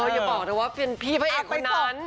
อย่าบอกนะว่าเป็นพี่พระเอกคนนั้น